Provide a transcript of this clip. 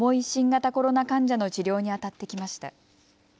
新型コロナ患者の治療にあたってきました。